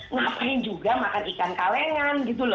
ngapain juga makan ikan kalengan gitu loh